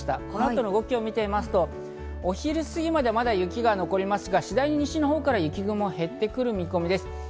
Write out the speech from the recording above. この後の動きを見てみますとお昼過ぎまでまだ雪が残りますが、次第に西のほうから雪雲が減ってくる見込みです。